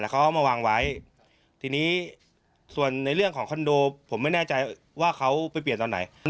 เขาเอามาวางไว้ทีนี้ส่วนในเรื่องของคอนโดผมไม่แน่ใจว่าเขาไปเปลี่ยนตอนไหน